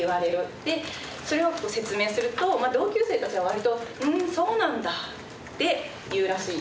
でそれを説明すると同級生たちは割と「ふんそうなんだ」って言うらしいんですね。